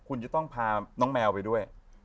คุณจะต้องพาน้องแมวไปด้วย